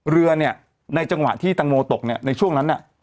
เรือเนี่ยในจังหวะที่ตังโมตกในช่วงนั้น